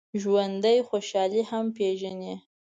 ژوندي خوشحالي هم پېژني